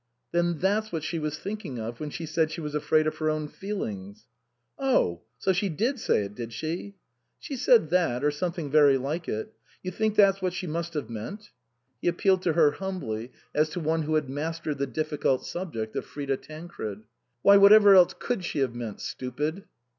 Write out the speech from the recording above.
" Then that's what she was thinking of when she said she was afraid of her own feelings." " Oh ! So she did say it, did she ?"" She said that or something very like it. You think that's what she must have meant ?" He 114 INLAND appealed to her humbly, as to one who had mastered the difficult subject of Frida Tancred. " Why, whatever else could she have meant, stupid